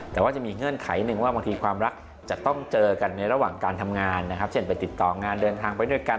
แต่ว่าจะมีเงื่อนไขหนึ่งว่าบางทีความรักจะต้องเจอกันในระหว่างการทำงานนะครับเช่นไปติดต่องานเดินทางไปด้วยกัน